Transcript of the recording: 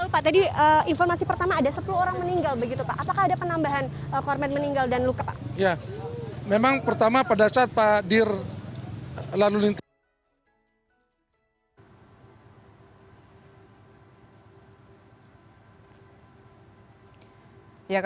pak tadi informasi pertama ada sepuluh orang meninggal begitu pak